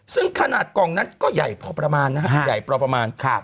ซึ่งขนาดกล่องนั้นก็ใหญ่พอประมาณนะครับใหญ่พอประมาณ